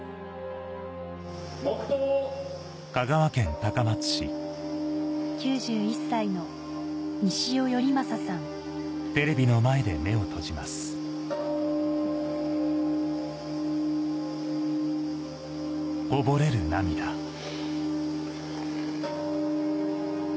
・黙とう・９１歳の西尾正さんはい。